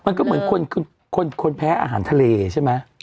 มันก็เหมือนคนแพ้อาหารทะเลใช่ไหม